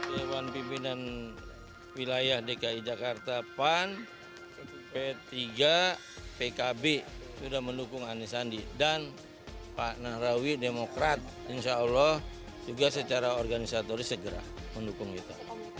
dewan pimpinan wilayah dki jakarta pan p tiga pkb sudah mendukung anies sandi dan pak nahrawi demokrat insya allah juga secara organisatoris segera mendukung kita